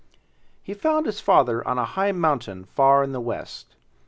He found his father on a high mountain far in the west.